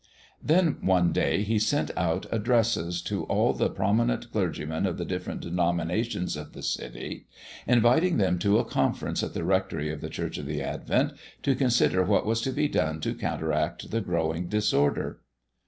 Then one day he sent out addresses to all the prominent clergymen of the different denominations of the city, inviting them to a conference at the rectory of the Church of the Advent to consider what was to be done to counteract the growing disorder.